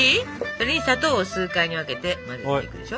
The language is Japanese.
それに砂糖を数回に分けて混ぜていくでしょ。